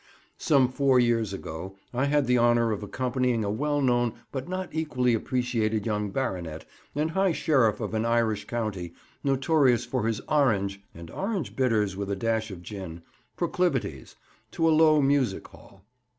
Some four years ago I had the honour of accompanying a well known but not equally appreciated young baronet, and High Sheriff of an Irish county, notorious for his "Orange" (and orange bitters with a dash of gin) proclivities, to a low music hall.